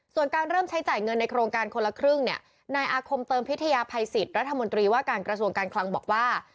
ส่วนการเริ่มใช้จ่ายเงินในโครงการคนละครึ่งเนี่ยนายอาคมเติมพิทยาภัยสิทธิ์รัฐมนตรีว่าการกระทรวงการคลังบอกว่า